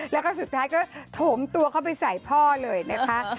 แล้วก็สุดท้ายก็โถมตัวเข้าไปใส่พ่อเลยนะคะ